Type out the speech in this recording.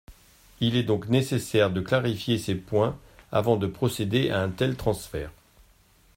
Il est donc nécessaire de clarifier ces points avant de procéder à un tel transfert.